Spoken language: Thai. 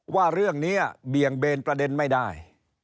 ว่าเรื่องนี้เบี่ยงเบนประเด็นไม่ได้